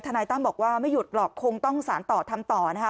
นายตั้มบอกว่าไม่หยุดหรอกคงต้องสารต่อทำต่อนะคะ